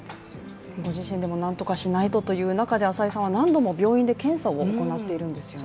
ご自身でも何とかしないとという中で朝井さんは病院で何度も検査を行っているんですよね。